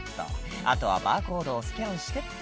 「あとはバーコードをスキャンしてっと」